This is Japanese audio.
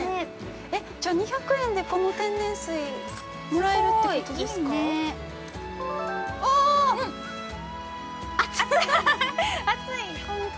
◆えっじゃあ、２００円でこの天然水もらえるってことですか。